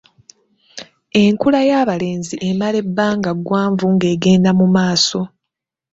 Enkula y'abalenzi emala ebbanga ggwanvu ng'egenda mu maaso.